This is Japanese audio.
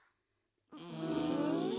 うん。